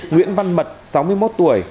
nguyễn văn mật sáu mươi một tuổi